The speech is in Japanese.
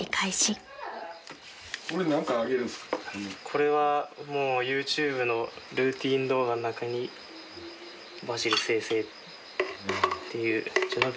これはＹｏｕＴｕｂｅのルーティン動画の中にバジル生成っていうジェノベーゼか。